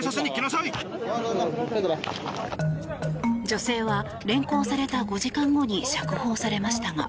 女性は連行された５時間後に釈放されましたが